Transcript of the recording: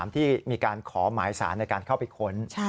ที่มีการขอหมายสารในการเข้าไปค้น